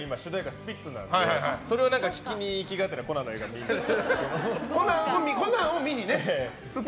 今、スピッツなのでそれを聴きに行きがてらコナンの映画を見に行く。